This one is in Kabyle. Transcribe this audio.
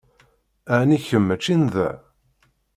Ɛni kemm mačči n da?